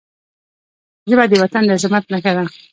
ژبه د وطن د عظمت نښه ده